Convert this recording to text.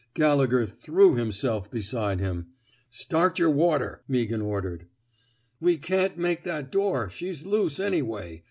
Gallegher threw himself beside him. ^* Start yer water,'' Meaghan ordered. *' We can't make that door. She's loose, anyway.